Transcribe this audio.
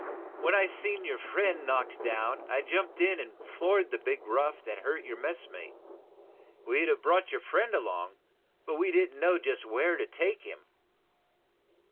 When I seen your friend knocked down I jumped in and floored the big rough that hurt your messmate. We'd have brought your friend along, but we didn't know just where to take him."